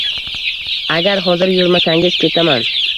Agar hozir yurmasangiz ketaman.